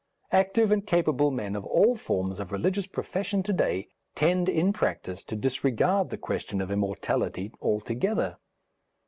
Active and capable men of all forms of religious profession to day tend in practice to disregard the question of immortality altogether.